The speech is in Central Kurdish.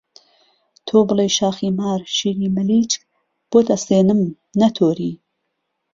تۆ بڵهی شاخی مار شیری مهلیچک بۆت ئهسێنم، نهتۆری